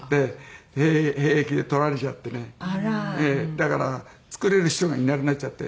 だから作れる人がいなくなっちゃって。